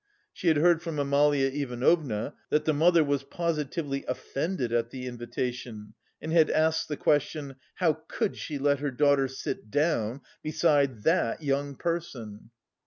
She had heard from Amalia Ivanovna that the mother was positively offended at the invitation and had asked the question: "How could she let her daughter sit down beside that young person?"